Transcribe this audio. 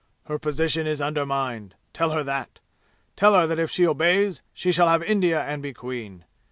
Her position is undermined. Tell her that. Tell her that if she obeys she shall have India and be queen.